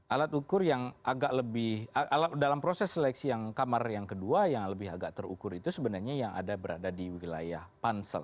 alat ukur yang agak lebih dalam proses seleksi yang kamar yang kedua yang lebih agak terukur itu sebenarnya yang ada berada di wilayah pansel